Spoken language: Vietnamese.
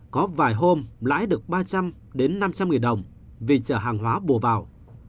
có vài hôm lái được ba trăm linh đến năm trăm linh đồng vì chở hàng hóa bùa vào